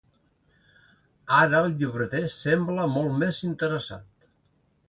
Ara el llibreter sembla molt més interessat.